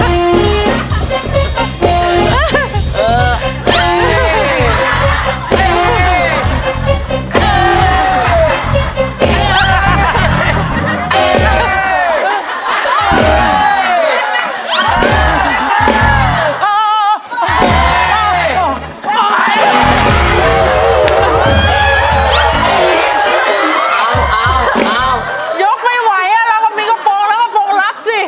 เอายกไม่ไหวเราก็มีกระโปรงแล้วกระโปรงรับสิ